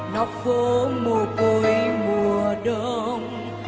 nọc phố mô côi mùa đông